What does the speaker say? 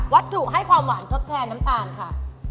วัตถุให้ความหวานทดแทนน้ำตาลค่ะ